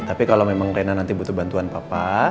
tapi kalau memang rena nanti butuh bantuan papa